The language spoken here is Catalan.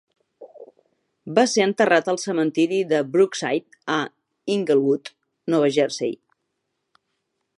Va ser enterrat al cementiri de Brookside a Englewood, Nova Jersey.